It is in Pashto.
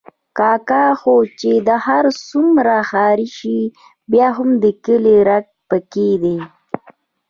کاکا خو چې هر څومره ښاري شي، بیا هم د کلي رګ پکې دی.